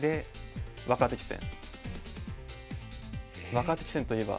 若手棋戦といえば。